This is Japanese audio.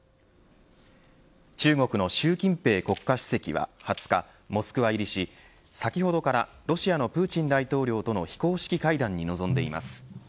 中国の習近平国家主席は２０日、モスクワ入りし先ほどからロシアのプーチン大統領との非公式会談に臨んでいます。